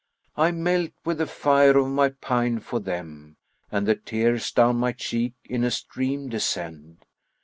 I melt with the fire of my pine for them, * And the tears down my cheek in a stream descend.